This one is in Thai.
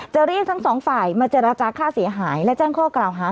เรียกทั้งสองฝ่ายมาเจรจาค่าเสียหายและแจ้งข้อกล่าวหา